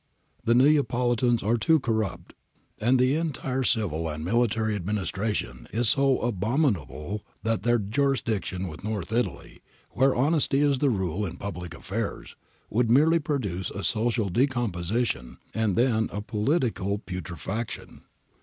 The Neapolitans are too corrupt and the entire civil and military administration is so abominable that their junction with North Italy, where honesty is the rule in public affairs, would merely produce a social decomposition and then a poli tical putrefaction.'